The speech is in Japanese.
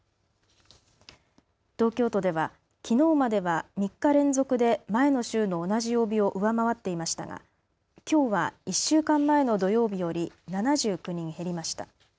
東京都ではきのうまでは３日連続で前の週の同じ曜日を上回っていましたがきょうは１週間前の土曜日より７９人減りました。